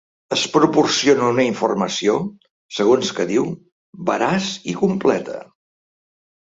Es proporciona una informació, segons que diu, “veraç i completa”.